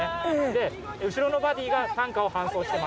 で後ろのバディが担架を搬送しています。